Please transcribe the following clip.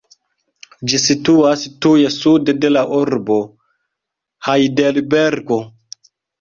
Ĝi situas tuj sude de la urbo Hajdelbergo.